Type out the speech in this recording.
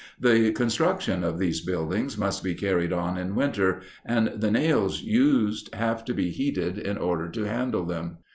The construction of these buildings must be carried on in winter, and the nails used have to be heated in order to handle them.